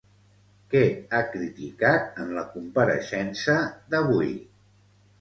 Què ha criticat en la compareixença d'avui?